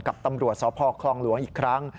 กับตำรวจสพคลองหลวงอีกครั้ง